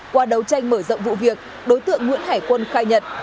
qua đấu tranh mở rộng vụ việc đối tượng nguyễn hải quân khai nhận